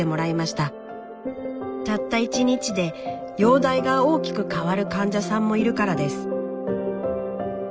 たった１日で容体が大きく変わる患者さんもいるからです。